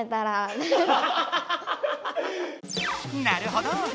なるほど！